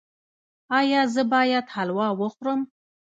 ایا زه باید حلوا وخورم؟